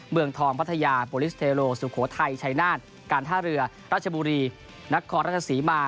เมืองทองพัทยาโปรลิสเทโลสุโขทัยชัยนาฏการท่าเรือราชบุรีนครราชศรีมา